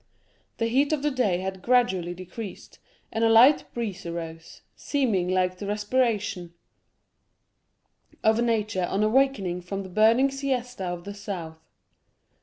The heat of the day had gradually decreased, and a light breeze arose, seeming like the respiration of nature on awakening from the burning siesta of the south.